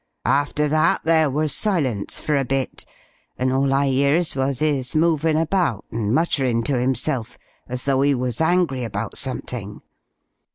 After that there was silence for a bit, and all I 'ears was 'is moving about and muttering to 'imself, as though 'e was angry about something.